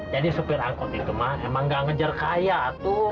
jadi supir angkot itu emang gak ngejar kaya tuh